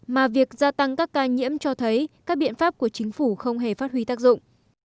mà việc gia tăng các ca nhiễm cho thấy các biện pháp của chính phủ không hề phát huy tác dụng